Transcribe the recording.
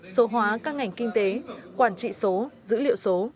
số hóa các ngành kinh tế quản trị số dữ liệu số